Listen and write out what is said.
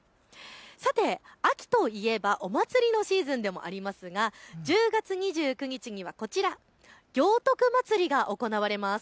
さて秋といえばお祭りのシーズンでもありますが１０月２９日には行徳まつりが行われます。